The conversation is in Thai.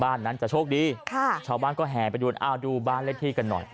บ้านนั้นจะโชคดีค่ะชาวบ้านก็แห่ไปดูอ้าวดูบ้านเลขที่กันหน่อย